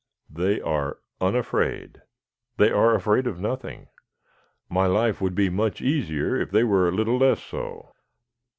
"They are unafraid. They are afraid of nothing. My life would be much easier were they a little less so."